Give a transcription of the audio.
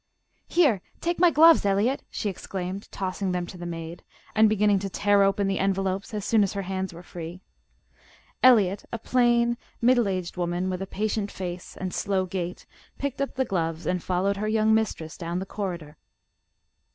"Here, take my gloves, Eliot!" she exclaimed, tossing them to the maid, and beginning to tear open the envelopes as soon as her hands were free. Eliot, a plain, middle aged woman, with a patient face and slow gait, picked up the gloves, and followed her young mistress down the corridor.